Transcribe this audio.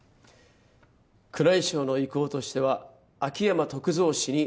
「宮内省の意向としては秋山篤蔵氏に」